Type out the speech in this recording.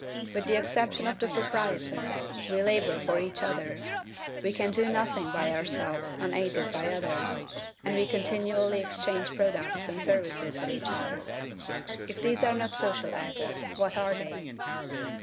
With the exception of the proprietor, we labor for each other; we can do nothing by ourselves unaided by others, and we continually exchange products and services with each other. If these are not social acts, what are they?